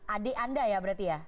adik anda ya berarti ya